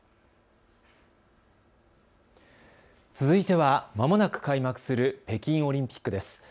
続いてはまもなく開幕する北京オリンピックです。